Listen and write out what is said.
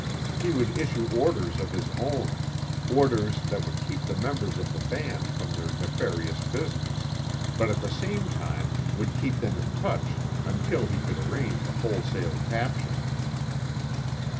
He would issue orders of his own, orders that would keep the members of the band from their nefarious business, but at the same time would keep them in touch until he could arrange a wholesale capture.